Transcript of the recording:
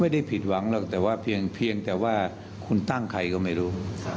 ผิดหวังหรอกแต่ว่าเพียงแต่ว่าคุณตั้งใครก็ไม่รู้